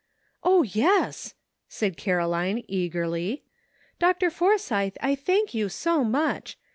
''O, yes!" said Caroline eagerly. ''Dr. Forsythe, I thank you so much.